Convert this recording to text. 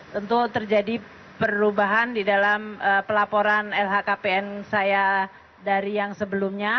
tentu terjadi perubahan di dalam pelaporan lhkpn saya dari yang sebelumnya